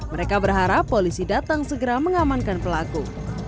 mereka berharap polisi datang segera mengamankan pelaku